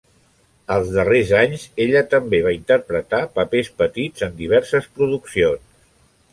Els darrers anys, ella també va interpretar papers petits en diverses produccions.